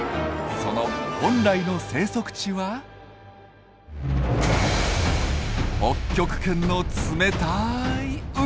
その本来の生息地は北極圏の冷たい海。